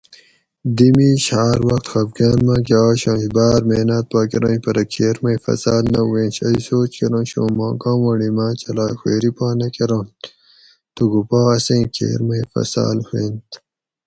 دی میش ھار وخت خفگان ماۤکہ آشنش بار محنات پا کرنش پرہ کھیر میٔ فصال نہ ھووینش ائ سوچ کرنش اُوں ماں گاونڑی ما چھلائ خویری پا نہ کرنت تھوکو پا اسیں کھیر میٔ فصال ھووینت